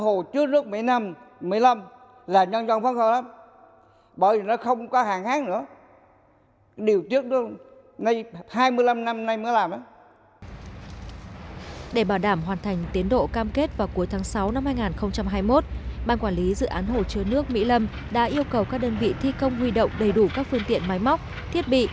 hồ chứa nước mỹ lâm là nhân dân phóng khóa lắm bởi vì nó không có hàng khác nữa để bảo đảm hoàn thành tiến độ cam kết vào cuối tháng sáu năm hai nghìn hai mươi một ban quản lý dự án hồ chứa nước mỹ lâm đã yêu cầu các đơn vị thi công huy động đầy đủ các phương tiện máy móc thiết bị